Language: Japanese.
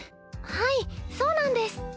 はいそうなんです。